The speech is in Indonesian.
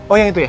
oh yang itu ya